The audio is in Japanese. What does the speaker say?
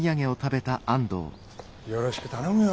よろしく頼むよ。